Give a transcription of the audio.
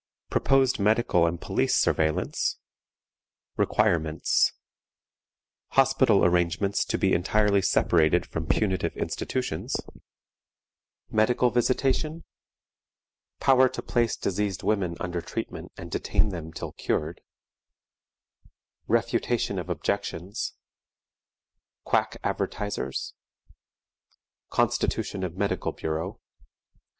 Proposed medical and police Surveillance. Requirements. Hospital Arrangements to be entirely separated from punitive Institutions. Medical Visitation. Power to place diseased Women under Treatment and detain them till cured. Refutation of Objections. Quack Advertisers. Constitution of Medical Bureau.